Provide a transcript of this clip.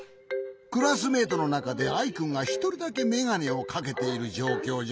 クラスメートのなかでアイくんがひとりだけめがねをかけているじょうきょうじゃ。